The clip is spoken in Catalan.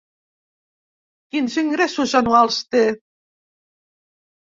Quins ingressos anuals té?